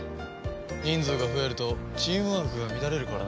人数が増えるとチームワークが乱れるからな。